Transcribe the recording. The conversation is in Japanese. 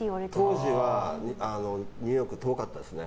当時はニューヨーク遠かったですね。